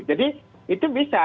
jadi itu bisa